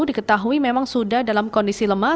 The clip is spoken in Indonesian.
diketahui memang sudah dalam kondisi lemah